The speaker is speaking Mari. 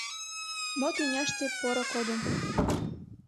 Мо тӱняште поро кодын —